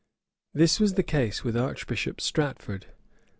{1341.} This was the case with Archbishop Stratford.